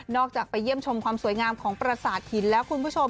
จากไปเยี่ยมชมความสวยงามของประสาทหินแล้วคุณผู้ชม